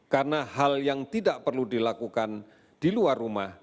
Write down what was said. karena hal yang tidak perlu dilakukan di luar rumah